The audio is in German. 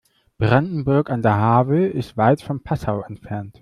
Brandenburg an der Havel ist weit von Passau entfernt